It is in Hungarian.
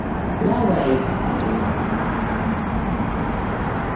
Lárváik növényevők.